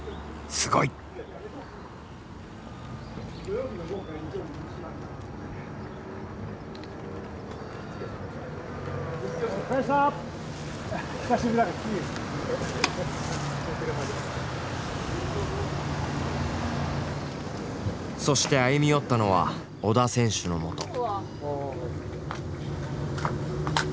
すごい！そして歩み寄ったのは織田選手のもと。